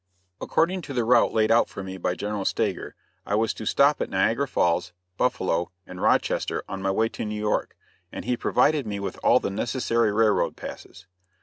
According to the route laid out for me by General Stager, I was to stop at Niagara Falls, Buffalo and Rochester on my way to New York, and he provided me with all the necessary railroad passes.